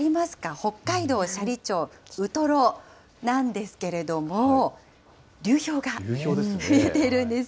北海道斜里町ウトロなんですけれども、流氷が見えているんです。